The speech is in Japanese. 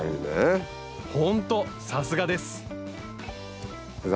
ほんとさすがです先生